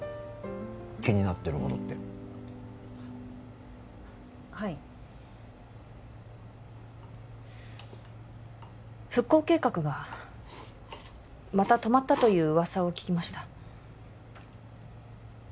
気になってることってはい復興計画がまた止まったという噂を聞きました